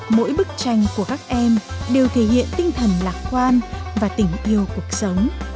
mỗi bức tranh của các em đều thể hiện tinh thần lạc quan và tình yêu cuộc sống